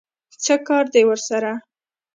څه کار دی ورسره؟